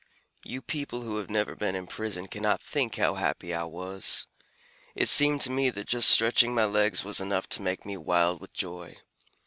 You people who have never been in prison cannot think how happy I was. It seemed to me that just stretching my legs was enough to make me wild with joy.